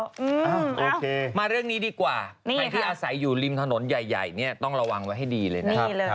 โอเคมาเรื่องนี้ดีกว่าใครที่อาศัยอยู่ริมถนนใหญ่เนี่ยต้องระวังไว้ให้ดีเลยนะครับ